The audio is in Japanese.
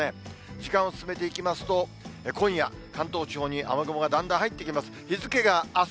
時間を進めていきますと、今夜、関東地方に雨雲がだんだん入ってきます。